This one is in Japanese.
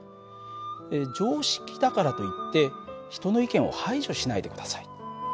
常識だからといって人の意見を排除しないで下さい。